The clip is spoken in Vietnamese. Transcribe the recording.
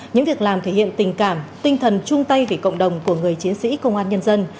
những việc làm thể hiện tình cảm tinh thần chung tay vì cộng đồng của người chiến sĩ công an nhân dân